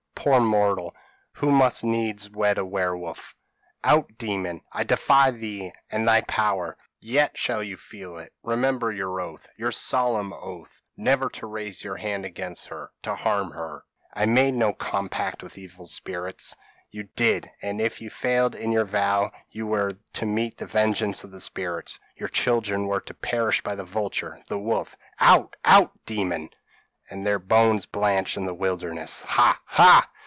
Poor mortal, who must needs wed a werewolf.' "'Out, demon! I defy thee and thy power.' "'Yet shall you feel it; remember your oath your solemn oath never to raise your hand against her to harm her.' "'I made no compact with evil spirits.' "'You did, and if you failed in your vow, you were to meet the vengeance of the spirits. Your children were to perish by the vulture, the wolf ' "'Out, out, demon!' "'And their bones blanch in the wilderness. Ha! ha!'